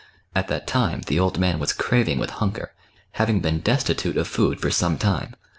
At that time the old man was craving with hunger,, having been destitute of food for some time.